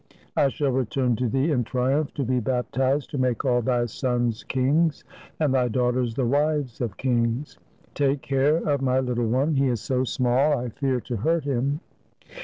I shall return to thee in triumph to be baptized, to make all thy sons kings and thy daughters the wives of kings. Take care of my little one. He is so small, I fear to hurt him.